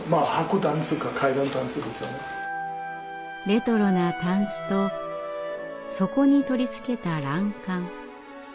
レトロなタンスとそこに取り付けた欄干。